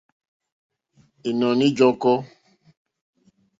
Ìnɔ̀ní ǃjɔ́kɔ́.